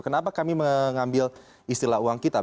kenapa kami mengambil istilah uang kita